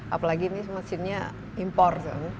apalagi ini mesinnya impor kan